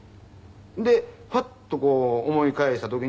でハッとこう思い返した時に。